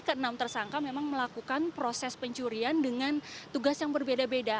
ke enam tersangka memang melakukan proses pencurian dengan tugas yang berbeda beda